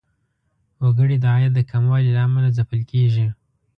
وګړي د عاید د کموالي له امله ځپل کیږي.